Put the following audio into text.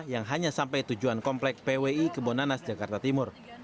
yang hanya sampai tujuan komplek pwi kebonanas jakarta timur